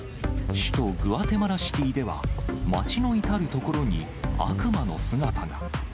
首都グアテマラシティーでは、街の至る所に悪魔の姿が。